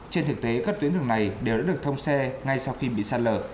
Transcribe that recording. trên thực tế các tuyến đường này đều đã được thông xe ngay sau khi bị sạt lở